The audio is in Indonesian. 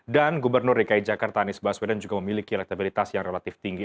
dan gubernur rekai jakarta anies baswedan juga memiliki elektabilitas yang relatif tinggi